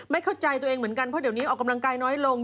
ไม่เข้าใจตัวเองเหมือนกันเพราะเดี๋ยวนี้ออกกำลังกายน้อยลง